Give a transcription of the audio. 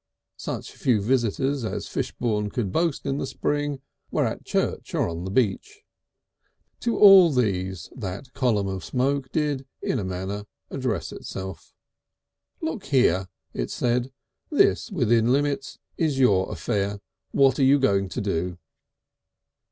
Such few visitors as Fishbourne could boast in the spring were at church or on the beach. To all these that column of smoke did in a manner address itself. "Look here!" it said, "this, within limits, is your affair; what are you going to do?"